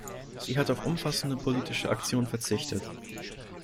Sie hat auf umfassende politische Aktionen verzichtet.